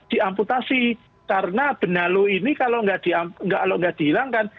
diamputasi karena benalu ini kalau tidak dihilangkan